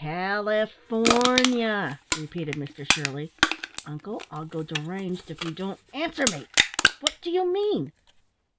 "California," repeated Mr Shirley. "Uncle, I'll go deranged if you don't answer me. What do you mean?"